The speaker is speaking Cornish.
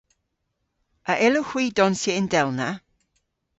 A yllowgh hwi donsya yndelna?